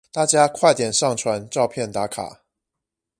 大家快點上傳照片打卡